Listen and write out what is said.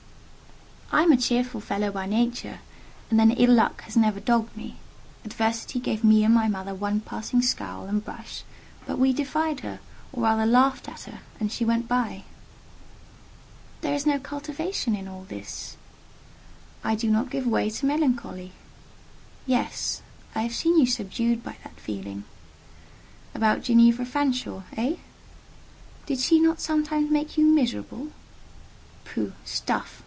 "I am a cheerful fellow by nature: and then ill luck has never dogged me. Adversity gave me and my mother one passing scowl and brush, but we defied her, or rather laughed at her, and she went by.". "There is no cultivation in all this." "I do not give way to melancholy." "Yes: I have seen you subdued by that feeling." "About Ginevra Fanshawe—eh?" "Did she not sometimes make you miserable?" "Pooh! stuff!